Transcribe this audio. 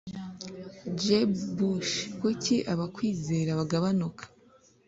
Jeb bush kuki abakwizera bagabanuka